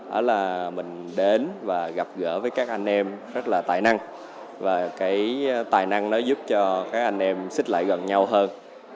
đó là mình đến và gặp gỡ với các anh em rất là tài năng và cái tài năng đó giúp cho các anh em xích lại gần nhau hơn